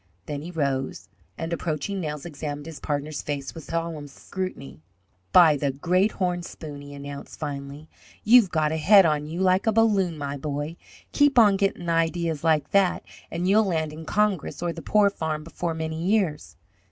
Then he rose, and, approaching Nels, examined his partner's face with solemn scrutiny. "By the great horn spoon," he announced, finally, "you've got a head on you like a balloon, my boy! Keep on gettin' ideas like that, and you'll land in Congress or the poor farm before many years!"